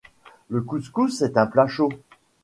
Le couscous est un plat chaud